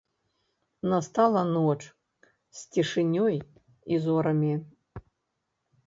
Настала ноч, з цішынёй і зорамі.